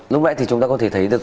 lúc nãy thì chúng ta có thể thấy được